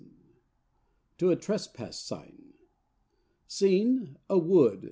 XIX TO A TRESPASS SIGN Scene, _A Wood.